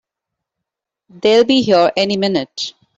They'll be here any minute!